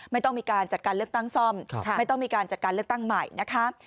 ไม่ต้องมีการจัดการเลือกตั้งซ่อมไม่ต้องมีการจัดการเลือกตั้งใหม่นะคะ